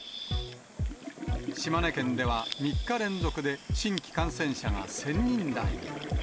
島根県では、３日連続で新規感染者が１０００人台に。